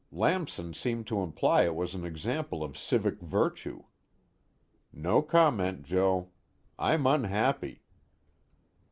Lamson seemed to imply it was an example of civic virtue. No comment, Joe. I'm unhappy.